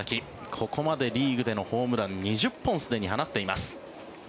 ここまでリーグでのホームランすでに２０本放っています。